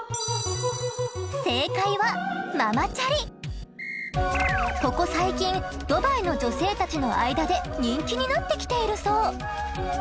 正解はここ最近ドバイの女性たちの間で人気になってきているそう。